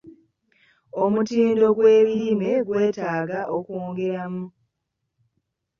Omutindo gw'ebirime gwetaaga okwongeramu.